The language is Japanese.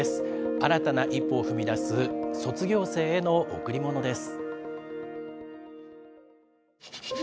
新たな一歩を踏み出す、卒業生への贈りものです。